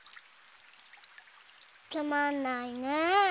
つまんないねぇ。